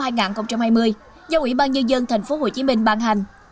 từ đầu năm hai nghìn hai mươi do ủy ban như dân tp hcm ban hành